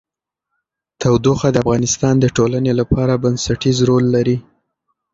تودوخه د افغانستان د ټولنې لپاره بنسټيز رول لري.